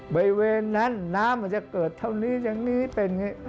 บริเวณนั้นน้ำมันจะเกิดเท่านี้อย่างนี้เป็นอย่างนี้